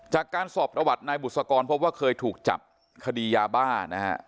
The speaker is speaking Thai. จากการสอบประวัตินายบุษกรพบว่าเคยถูกจับคดียาบ้านะฮะ